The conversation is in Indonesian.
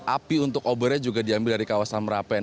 api untuk obornya juga diambil dari kawasan merapen